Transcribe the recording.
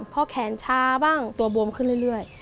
เพราะแขนช้าบ้างตัวบวมขึ้นเรื่อย